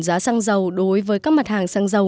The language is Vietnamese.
giá xăng dầu đối với các mặt hàng xăng dầu